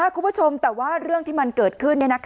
คุณผู้ชมแต่ว่าเรื่องที่มันเกิดขึ้น